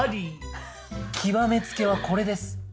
極めつけはこれです。